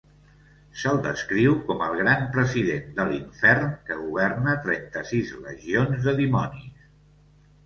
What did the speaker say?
Se'l descriu com el Gran President de l'Infern que governa trenta-sis legions de dimonis.